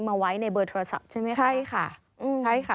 มาไว้ในเบอร์โทรศัพท์ใช่ไหมคะใช่ค่ะอืมใช่ค่ะ